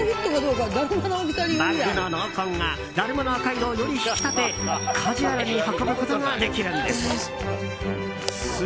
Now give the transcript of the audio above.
バッグの濃紺がだるまの赤色をより引き立てカジュアルに運ぶことができるんです。